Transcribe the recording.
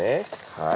はい。